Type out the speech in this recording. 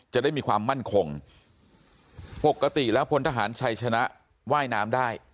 จะได้มีความมั่นคงปกติแล้วพลทหารชัยชนะว่ายน้ำได้